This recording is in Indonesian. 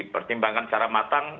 pertimbangkan secara matang